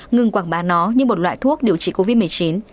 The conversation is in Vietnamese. ngừng quảng bá nó như một loại thuốc điều trị covid một mươi chín